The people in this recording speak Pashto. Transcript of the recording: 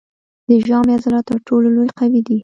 د ژامې عضلات تر ټولو قوي دي.